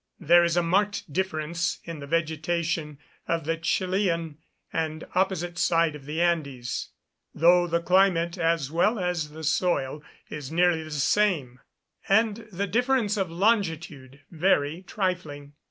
There is a marked difference in the vegetation of the Chilian and opposite side of the Andes, though the climate as well as the soil is nearly the same, and the difference of longitude very trifling.